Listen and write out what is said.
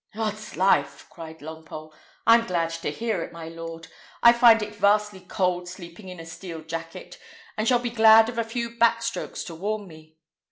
'"Odslife!" cried Longpole, "I'm glad to hear it, my lord. I find it vastly cold sleeping in a steel jacket, and shall be glad of a few back strokes to warm me.